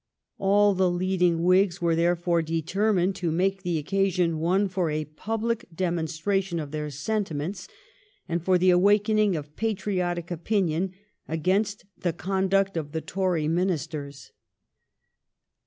All the leading Whigs were therefore determined to make the occasion one for a public demonstration of their sentiments, and for the awakening of patriotic opinion against the con duct of the Tory Ministers.